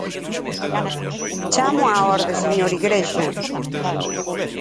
Chámoo á orde, señor Igrexa.